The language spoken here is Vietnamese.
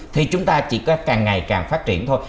thì chúng ta chỉ có càng ngày càng phát triển thôi